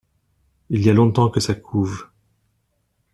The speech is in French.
Il y a longtemps que ça couve.